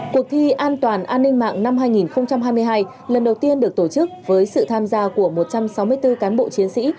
cuộc thi an toàn an ninh mạng năm hai nghìn hai mươi hai lần đầu tiên được tổ chức với sự tham gia của một trăm sáu mươi bốn cán bộ chiến sĩ